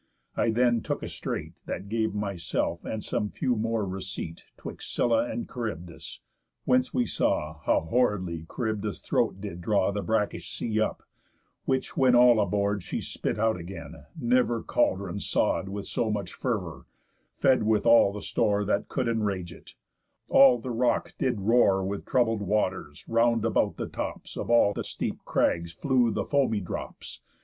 I then took a strait That gave myself, and some few more, receit 'Twixt Scylla and Charybdis; whence we saw How horridly Charybdis' throat did draw The brackish sea up, which when all aboard She spit again out, never caldron sod With so much fervour, fed with all the store That could enrage it; all the rock did roar With troubled waters; round about the tops Of all the steep crags flew the foamy drops.